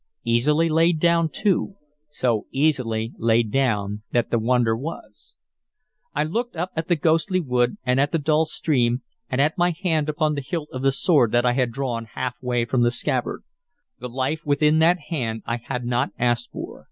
Easily laid down, too, so easily laid down that the wonder was I looked at the ghostly wood, and at the dull stream, and at my hand upon the hilt of the sword that I had drawn halfway from the scabbard. The life within that hand I had not asked for.